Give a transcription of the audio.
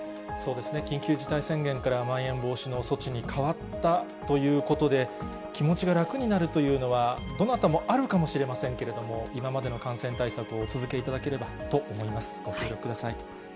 緊急事態宣言からまん延防止の措置に変わったということで、気持ちが楽になるというのは、どなたもあるかもしれませんけれども、今までの感染対策をお続けいただければと思います。